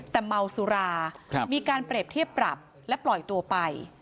แต่เมาสุรามีการเปรียบเทียบปรับและปล่อยตัวไป